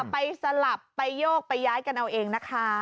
ไปสลับไปโยกไปย้ายกันเอาเองนะคะ